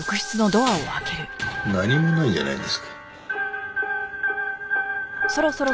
何もないじゃないですか。